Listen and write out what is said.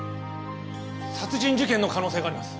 殺人事件の可能性があります。